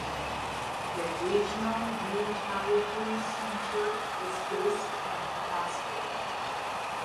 The Regional Rheumatology Centre is based at the hospital.